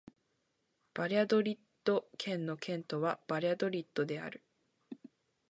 バリャドリッド県の県都はバリャドリッドである